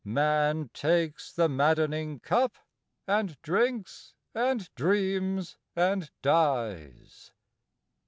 Man takes the maddening cup And drinks and dreams and dies.